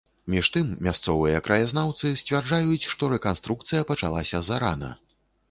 Між тым, мясцовыя краязнаўцы сцвярджаюць, што рэканструкцыя пачалася зарана.